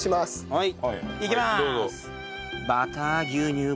はい。